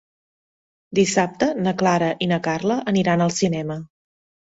Dissabte na Clara i na Carla aniran al cinema.